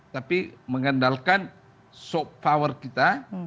tapi mengandalkan soft power kita